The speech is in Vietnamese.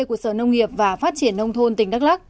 của sở nông nghiệp và phát triển nông thôn tỉnh đắk lắc